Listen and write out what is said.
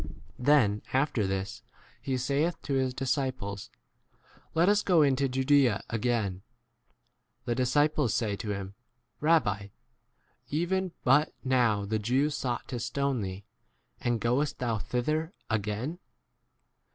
Then, after this, he saith to his z disciples, Let us go into 8 Judaea again. The disciples say to him, Rabbi, [even but] now the Jews sought to stone thee, and 9 goest thou thither again